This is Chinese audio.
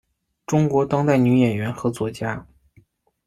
中国当代女演员和作家。